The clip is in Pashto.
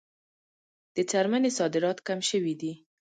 د څرمنې صادرات کم شوي دي